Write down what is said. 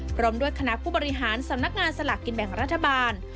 พร้อมด้วยคณะผู้บริหารสำนักงานสลากกินแบ่งรัฐบาล